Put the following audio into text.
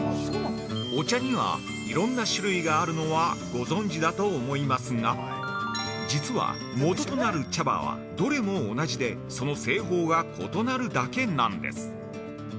◆お茶には、いろんな種類があるのはご存知だと思いますが実は元となる茶葉はどれも同じで、その製法が異なるだけなんです。